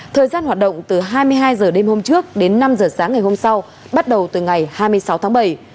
thời gian hoạt động từ hai mươi hai h đêm hôm trước đến năm h sáng ngày hôm sau bắt đầu từ ngày hai mươi sáu tháng bảy